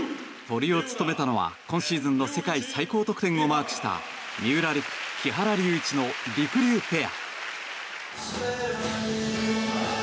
トリを務めたのは今シーズン世界最高得点をマークした三浦璃来・木原龍一のりくりゅうペア。